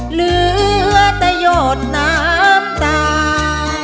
เหลือแต่หยดน้ำตา